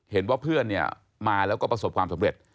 เห็นว่าเพื่อนเนี่ยมาแล้วก็ประสบความสำเร็จ